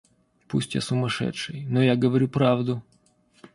Пусть я сумасшедший, но я говорю правду.